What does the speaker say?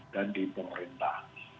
dan di pemerintah